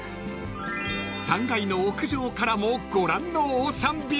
［３階の屋上からもご覧のオーシャンビュー］